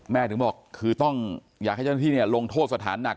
ถึงบอกคือต้องอยากให้เจ้าหน้าที่ลงโทษสถานหนัก